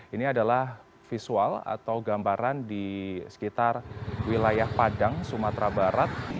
ini adalah visual atau gambaran di sekitar wilayah padang sumatera barat